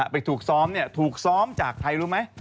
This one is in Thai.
ไปถูกซ้อมถูกซ้อมจากใครรู้ไหม